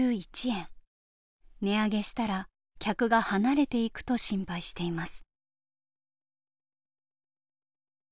値上げしたら客が離れていくと心配しています。